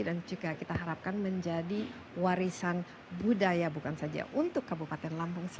dan juga kita harapkan menjadi warisan budaya bukan saja untuk kabupaten lampung